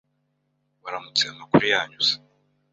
Waramutse. Amakuru yanyu se